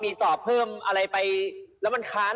มีสอบเพิ่มอะไรไปแล้วมันค้าน